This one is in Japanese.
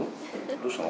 どうしたの？